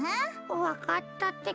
わかったってか。